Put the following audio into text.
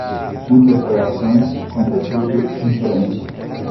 interpolação, completude, inferência